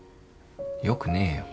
よくねえよ。